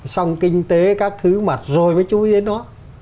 xong kinh tế các thứ mặt rồi mới chui đến đó